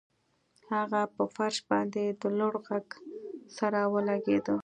هغه په فرش باندې د لوړ غږ سره ولګیده